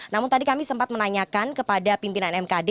namun tadi kami sempat menanyakan kepada pimpinan mkd